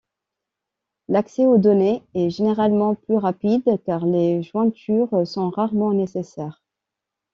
L'accès aux données est généralement plus rapide car les jointures sont rarement nécessaires.